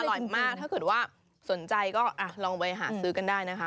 อร่อยมากถ้าเกิดว่าสนใจก็ลองไปหาซื้อกันได้นะคะ